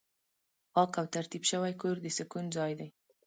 پاک او ترتیب شوی کور د سکون ځای دی.